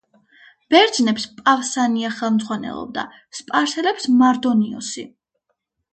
ბერძნებს პავსანია ხელმძღვანელობდა, სპარსელებს მარდონიოსი.